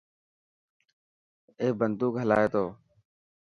اي بندوڪ هلائي ٿو.